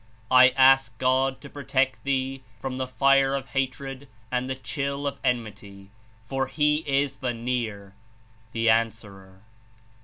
I ask God to protect thee from the fire of hatred and the chill of enmity, for He is the Near, the Answerer."